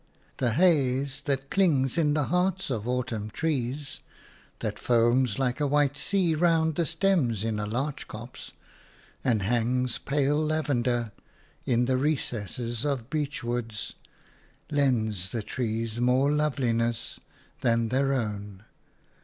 The haze that clings in the hearts of autumn trees, that foams like a white sea round the stems in a larch copse, and hangs – pale lavender – in the recesses of beech woods, lends the trees more loveliness than their own.